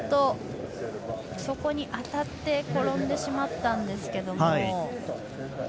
そこに当たって転んでしまったんですが。